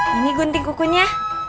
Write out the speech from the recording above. ini gunting kukunya